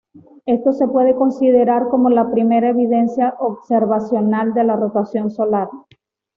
Esto se puede considerar como la primera evidencia observacional de la rotación solar.